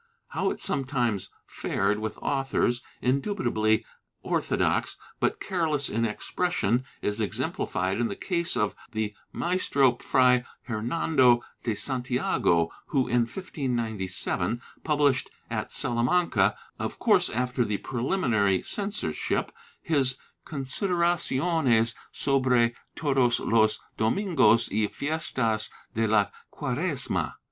How it sometimes fared with authors, indubitably orthodox but careless in expression, is exemplified in the case of the Maestro Fray Hernando de Santiago who, in 1597, published at Salamanca, of course after the preliminary censorship, his Consider aciones sobre todos los Domingos y Fiestas de la Quaresma.